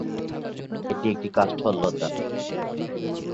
এটি একটি কাষ্ঠল লতা।